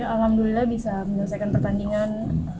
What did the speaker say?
alhamdulillah bisa menyelesaikan pertandingan